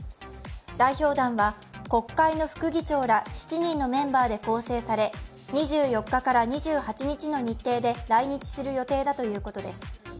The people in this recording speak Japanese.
代表団は、国会の副議長ら７人のメンバーで構成され、２４日から２８日の日程で来日する予定だということです。